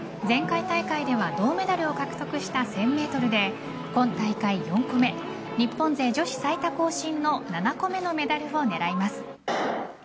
前回大会では銅メダルを獲得した１０００メートルで今大会４個目日本勢女子最多更新の７個目のメダルを狙います。